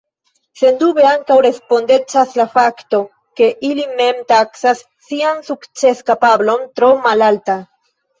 Sendube ankaŭ respondecas la fakto, ke ili mem taksas sian sukceskapablon tro malalta.